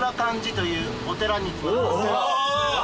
お寺。